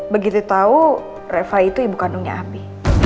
begitu tau reva itu ibu kandungnya abi